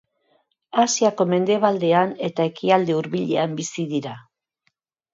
Asiako mendebaldean eta Ekialde Hurbilean bizi dira.